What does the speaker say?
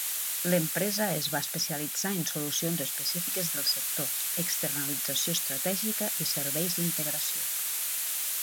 L'empresa es va especialitzar en solucions específiques del sector, externalització estratègica i serveis d'integració.